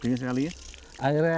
dingin sekali ya